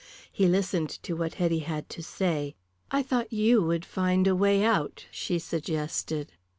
He listened to what Hetty had to say. "I thought you would find a way out," she suggested.